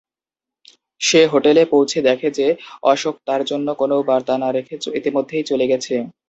সে হোটেলে পৌঁছে দেখে যে অশোক তার জন্য কোনও বার্তা না রেখে ইতিমধ্যেই চলে গেছে।